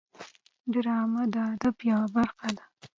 ډرامه د ادب یوه برخه ده